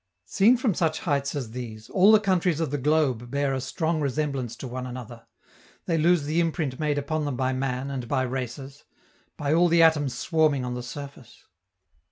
Seen from such heights as these, all the countries of the globe bear a strong resemblance to one another; they lose the imprint made upon them by man, and by races; by all the atoms swarming on the surface.